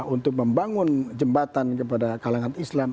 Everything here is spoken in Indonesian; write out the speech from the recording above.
untuk membangun jembatan kepada kalangan islam